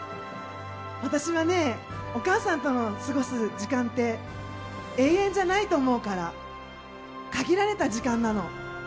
お母さんと過ごす時間って永遠じゃないと思うから限られた時間なの。